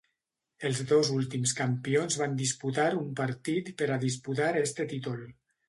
Els dos últims campions van disputar un partit per a disputar este títol.